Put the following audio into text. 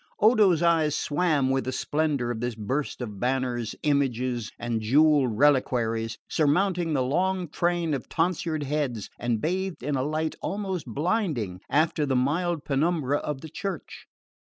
Odo's eyes swam with the splendour of this burst of banners, images and jewelled reliquaries, surmounting the long train of tonsured heads and bathed in a light almost blinding after the mild penumbra of the church.